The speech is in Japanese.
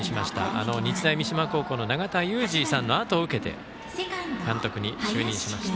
あの日大三島監督の永田裕治さんのあとを受けて監督に就任しました。